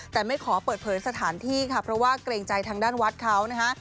แต่ไม่ขอเปิดเผยสถานที่ค่ะเพราะว่าเกรงใจทางด้านวัดเขานะฮะ